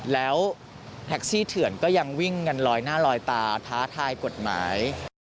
แล้วแท็กซี่เถื่อนก็ยังวิ่งกันลอยหน้าลอยตาท้าทายกฎหมาย